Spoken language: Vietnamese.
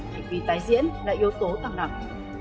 hành vi tái diễn đã yếu tố tăng nặng